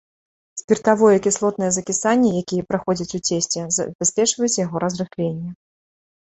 Спіртавое і кіслотнае закісанні, якія праходзяць у цесце, забяспечваюць яго разрыхленне.